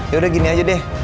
yaudah gini aja deh